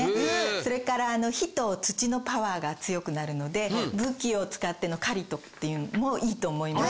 それから火と土のパワーが強くなるので武器を使っての狩りていうのも良いと思います。